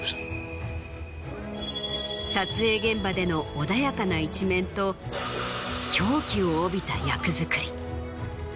撮影現場での穏やかな一面と狂気を帯びた役作り。